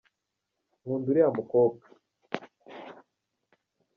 Nkunda uriya mukobwa.